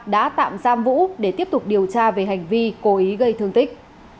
đã tạm giam vũ để tiếp tục điều tra về hành vi cố ý gây thương tích